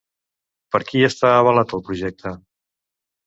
Per qui està avalat el projecte?